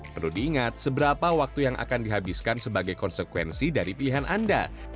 perlu diingat seberapa waktu yang akan dihabiskan sebagai konsekuensi dari pilihan anda